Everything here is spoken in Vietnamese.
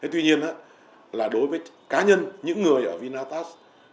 tuy nhiên đối với cá nhân những người ở vinatax